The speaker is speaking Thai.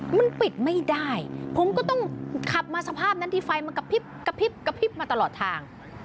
มันปิดไม่ได้ผมก็ต้องขับมาสภาพนั้นที่ไฟมันกระพริบกระพริบกระพริบมาตลอดทาง